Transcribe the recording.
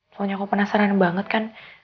soalnya aku penasaran banget kan